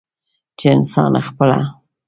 چې انسان خپله